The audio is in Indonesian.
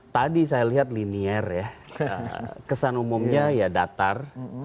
tadi saya lihat linier ya kesan umumnya ya datar